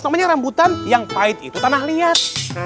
namanya rambutan yang pahit itu tanah liat